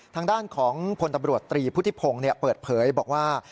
ทางด้านของพลตำรวจตรีพุทธิพงศ์เปิดเผยบอกว่า